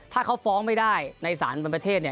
ถ้าเขาฟ้องไม่ได้ในสารบนประเทศ